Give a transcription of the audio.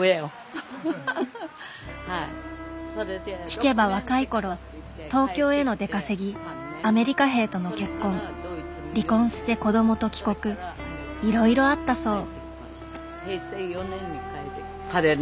聞けば若い頃東京への出稼ぎアメリカ兵との結婚離婚して子どもと帰国いろいろあったそう。